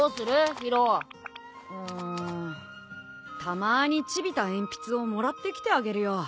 たまにちびた鉛筆をもらってきてあげるよ。